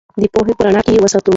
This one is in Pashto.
د پوهې په رڼا کې یې وساتو.